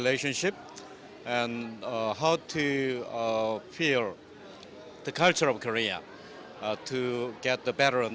dan saya pikir itu akan menjadi pembukaan